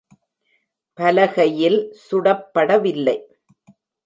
பலகையில் சுடப்படவில்லை.